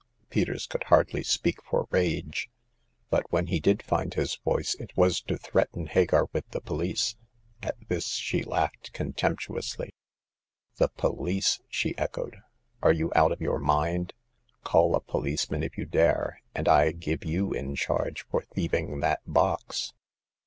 Peters could hardly speak for rage ; but when he did find his voice, it was to threaten Hagar with the police. At this she laughed contemp tuously. '* The police !" she echoed. Are you out of your mind ? Call a policeman if you dare, and I give you in charge for thieving that box."